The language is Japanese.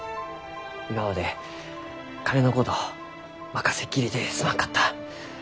今まで金のこと任せっきりですまんかった！